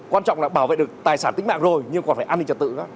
quan trọng là bảo vệ được tài sản tính mạng rồi nhưng còn phải an ninh trật tự